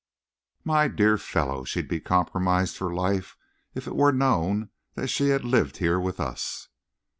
"My dear fellow, she'd be compromised for life if it were known that she had lived here with us."